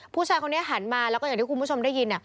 ผู้ชายคนนี้หันมาแล้วก็อย่างที่คุณผู้ชมได้ยิน